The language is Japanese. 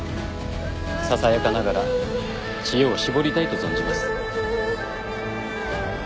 ささやかながら知恵を絞りたいと存じます。